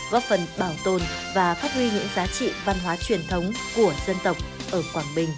góp phần bảo tồn và phát huy những giá trị văn hóa truyền thống của dân tộc ở quảng bình